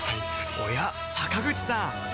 おや坂口さん